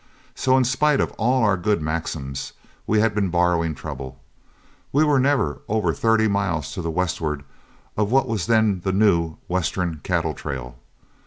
So in spite of all our good maxims, we had been borrowing trouble; we were never over thirty miles to the westward of what was then the new Western Cattle Trail.